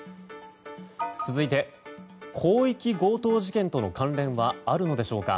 続いて広域強盗事件との関連はあるのでしょうか。